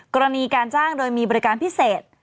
กรณีการจ้างโดยมีบริการพิเศษ